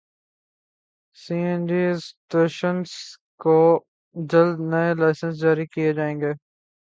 سی N G stations کو جلد نئے لائسنس جاری کیے جائیں گے